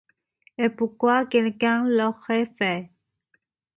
Et pourquoi quelqu’un l’aurait fait ?